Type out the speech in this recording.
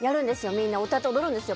みんな歌って踊るんですよ